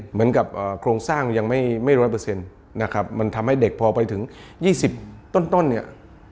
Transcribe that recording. เหมือนกับโครงสร้างยังไม่ร้อยเปอร์เซ็นต์นะครับมันทำให้เด็กพอไปถึง๒๐ต้นเนี่ย